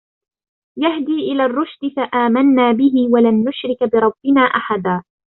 يَهْدِي إِلَى الرُّشْدِ فَآمَنَّا بِهِ وَلَنْ نُشْرِكَ بِرَبِّنَا أَحَدًا